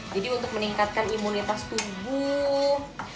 untuk meningkatkan imunitas tubuh